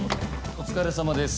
お疲れさまです。